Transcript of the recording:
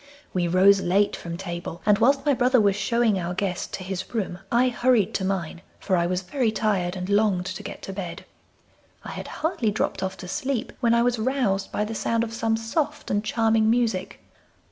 We rose late from table, and whilst my brother was showing our guest to his room I hurried to mine, for I was very tired and longed to get to bed. I had hardly dropped off to sleep when I was roused by the sound of some soft and charming music.